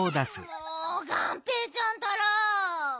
もうがんぺーちゃんったら。